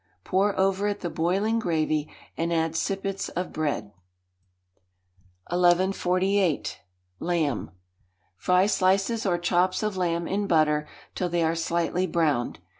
Pour over it the boiling gravy, and add sippets of bread. 1148. Lamb. Fry slices or chops of lamb in butter till they are slightly browned.